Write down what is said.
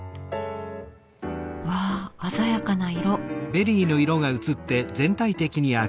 わあ鮮やかな色。